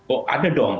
oh ada dong